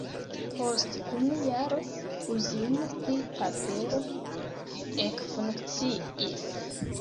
Post unu jaro uzino pri papero ekfunkciis.